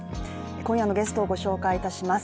今夜のゲストをご紹介いたします。